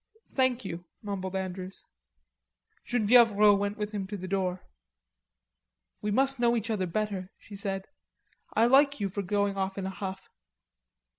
"Thank you," mumbled Andrews. Genevieve Rod went with him to the door. "We must know each other better," she said. "I like you for going off in a huff."